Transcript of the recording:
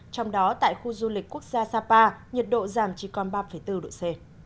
trong đó tại khu du lịch quốc gia sapa nhiệt độ giảm chỉ còn ba bốn độ c